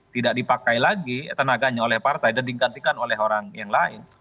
tidak dipakai lagi tenaganya oleh partai dan digantikan oleh orang yang lain